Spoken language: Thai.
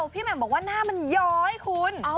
แหม่มบอกว่าหน้ามันย้อยคุณ